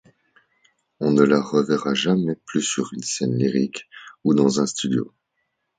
On ne la reverra jamais plus sur une scène lyrique ou dans un studio.